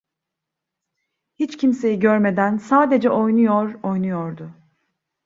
Hiç kimseyi görmeden sadece oynuyor, oynuyordu.